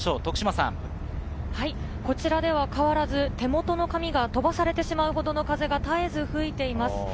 こちらは変わらず手元の紙が飛ばされてしまうほどの風が絶えず吹いています。